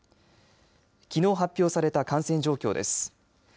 きのう発表された感染状況です。